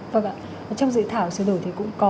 vâng ạ trong dự thảo sửa đổi thì cũng có